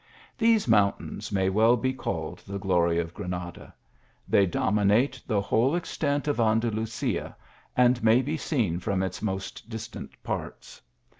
These mountains may well be called the glory of Granada. They dominate the whole extent of An dalusia, and may be seen from its most distant parts.